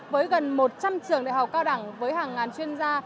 với gần một trăm linh trường đại học cao đẳng với hàng ngàn chuyên gia